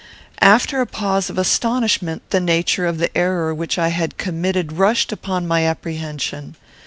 After a pause of astonishment, the nature of the error which I had committed rushed upon my apprehension.